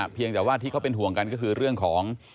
เพียงแต่ว่าที่เขาเป็นห่วงกันก็คือเรื่องของ